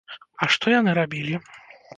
А што яны рабілі?